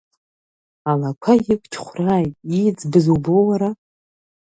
Алақәа иқәчхәраат, ииӡбыз убо уара!